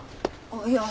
あっいや。